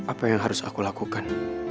apa yang harus aku lakukan